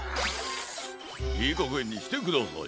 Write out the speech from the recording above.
いいかげんにしてください！